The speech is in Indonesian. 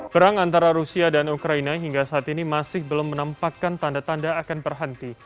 perang antara rusia dan ukraina hingga saat ini masih belum menampakkan tanda tanda akan berhenti